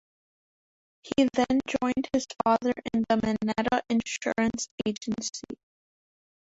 He then joined his father in the Mineta Insurance Agency.